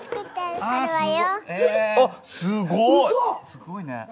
すごいね。